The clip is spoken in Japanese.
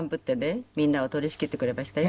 みんなを取り仕切ってくれましたよ。